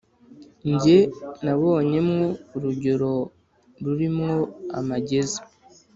Jye nabonye mwo urugero ruri mwo amageza,